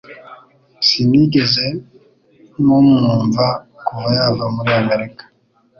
Sinigeze mumwumva kuva yava muri Amerika